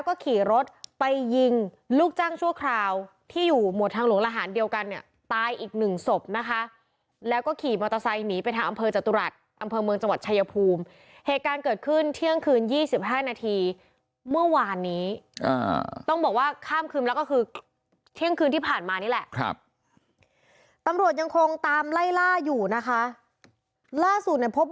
ก็ขี่รถไปยิงลูกจ้างชั่วคราวที่อยู่หมวดทางหลวงระหารเดียวกันเนี่ยตายอีกหนึ่งศพนะคะแล้วก็ขี่มอเตอร์ไซค์หนีไปทางอำเภอจตุรัสอำเภอเมืองจังหวัดชายภูมิเหตุการณ์เกิดขึ้นเที่ยงคืน๒๕นาทีเมื่อวานนี้ต้องบอกว่าข้ามคืนแล้วก็คือเที่ยงคืนที่ผ่านมานี่แหละครับตำรวจยังคงตามไล่ล่าอยู่นะคะล่าสุดในพบ